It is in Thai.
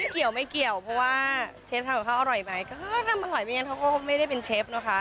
เกี่ยวไม่เกี่ยวเพราะว่าเชฟทำกับข้าวอร่อยไหมก็ทำอร่อยไม่งั้นเขาก็ไม่ได้เป็นเชฟนะคะ